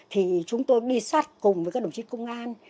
thì chúng tôi đi sát cùng với các đồng chí công an